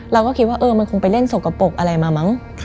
เราก็คิดว่ามันคงไปเล่นสกปรกอะไรมามั้ง